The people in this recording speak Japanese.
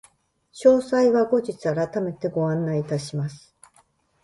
詳細は後日改めてご案内いたします。